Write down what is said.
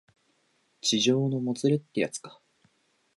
痴情のもつれってやつか